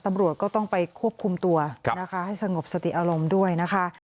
ตำรวจก็ต้องไปควบคุมตัวนะคะให้สงบสติอารมณ์ด้วยนะคะ